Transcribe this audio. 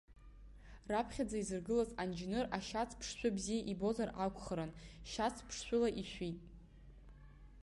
Раԥхьаӡа изыргылаз анџьныр, ашьац ԥшшәы бзиа ибозар акәхарын, шьацԥшшәыла ишәит.